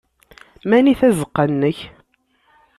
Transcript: Mani tazeqqa-nnek?